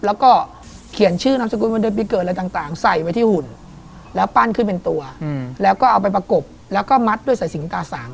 แล้วก็เขียนชื่อนามสกุลวันเดือนปีเกิดอะไรต่างใส่ไว้ที่หุ่นแล้วปั้นขึ้นเป็นตัวแล้วก็เอาไปประกบแล้วก็มัดด้วยสายสิงตาสาง